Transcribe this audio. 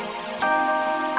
iya seharusnya juga